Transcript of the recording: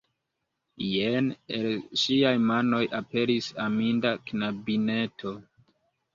Jen el ŝiaj manoj aperis aminda knabineto.